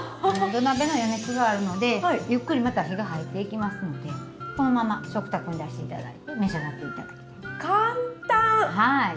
土鍋の余熱があるのでゆっくりまた火が入っていきますのでこのまま食卓に出していただいて召し上がっていただきたい。